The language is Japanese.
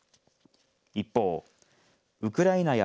一方、ウクライナや